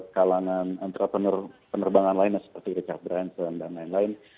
kalangan entrepreneur penerbangan lainnya seperti richard branson dan lain lain